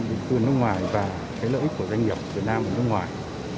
người nước ngoài và lợi ích của doanh nghiệp người việt nam người nước ngoài